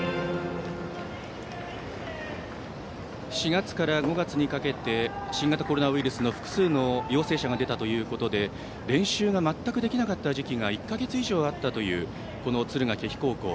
４月から５月にかけて新型コロナウイルスの複数の陽性者が出たということで練習が全くできなかった時期が１か月以上あったというこの敦賀気比高校。